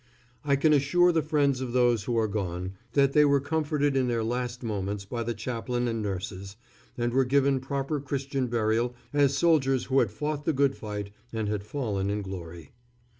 I can assure the friends of those who are gone, that they were comforted in their last moments by the chaplain and nurses, and were given proper Christian burial as soldiers who had fought the good fight and had fallen in glory.